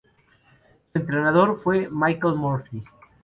Su entrenador fue Michael Murphy.